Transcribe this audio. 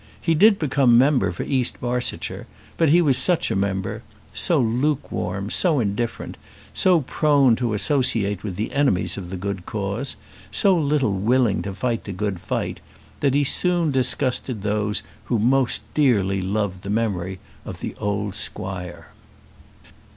He did become member for East Barsetshire, but he was such a member so lukewarm, so indifferent, so prone to associate with the enemies of the good cause, so little willing to fight the good fight, that he soon disgusted those who most dearly loved the memory of the old squire.